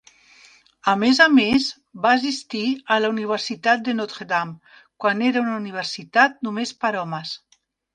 A més a més, va assistir a la Universitat de Notre Dame, quan era una universitat només per homes.